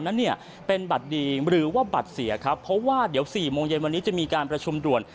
นั้นเนี่ยเป็นบัตรดีหรือว่าบัตรเสียครับเพราะว่าเดี๋ยวสี่โมงเย็นวันนี้จะมีการประชุมด่วน